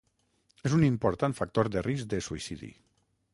És un important factor de risc de suïcidi.